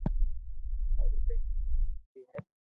او ايلائي سوٺي ھي